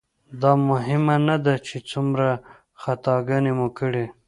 دا مهمه نه ده چې څومره خطاګانې مو کړي.